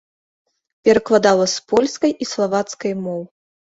Перакладала з польскай і славацкай моў.